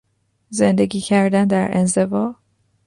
زندگی کردن در انزوا